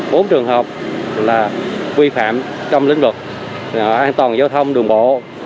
bốn trường hợp là vi phạm trong lĩnh vực an toàn giao thông đường bộ